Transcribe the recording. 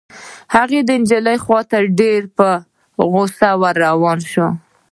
هغه د نجلۍ خوا ته په ډېرې غصې ور روان شو.